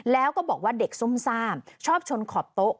แล้วก็บอกว่าเด็กซุ่มซ่ามชอบชนขอบโต๊ะ